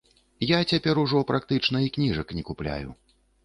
Я цяпер ужо практычна і кніжак не купляю.